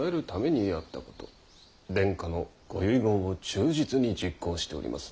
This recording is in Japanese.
殿下のご遺言を忠実に実行しております。